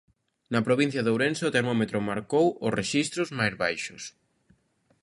Na provincia de Ourense o termómetro marcou os rexistros máis baixos.